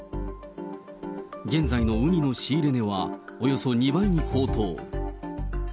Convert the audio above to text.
現在のウニの仕入れ値は、およそ２倍に高騰。